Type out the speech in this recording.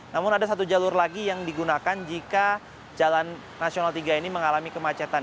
namun ada satu jalur lagi yang digunakan jika jalan nasional tiga ini mengalami kemacetan